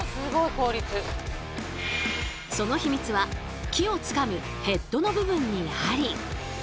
そのヒミツは木をつかむヘッドの部分にあり！